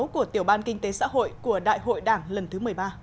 của tiểu ban kinh tế xã hội của đại hội đảng lần thứ một mươi ba